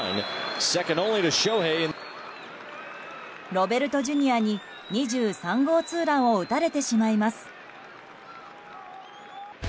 ロベルトＪｒ．に２３号ツーランを打たれてしまいます。